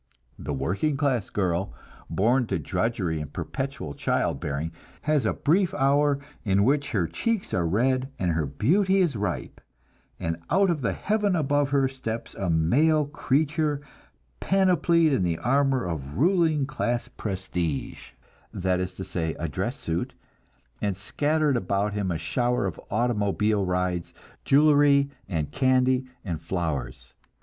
The working class girl, born to drudgery and perpetual child bearing, has a brief hour in which her cheeks are red and her beauty is ripe; and out of the heaven above her steps a male creature panoplied in the armor of ruling class prestige that is to say, a dress suit and scattering about him a shower of automobile rides, jewelry and candy and flowers.